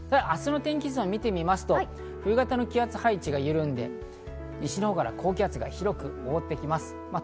明日の天気図を見てみますと冬型の気圧配置が緩んで、西のほうから高気圧が広く覆ってきます。